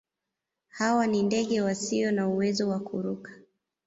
Hawa ni ndege wasio na uwezo wa kuruka.